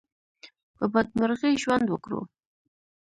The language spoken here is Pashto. په بدمرغي ژوند وکړو.